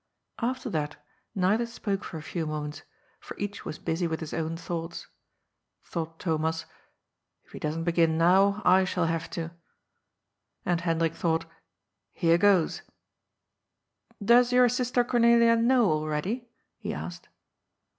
After that, neither spoke for a few moments, for each 158 GOD'S POOL. was busy with his own thoughts. Thought Thomas :'^ If he doesn't begin now, I shall have to." And Hendrik thought :^^ Here goes !"^^ Does your sister Cornelia know already ?" he asked.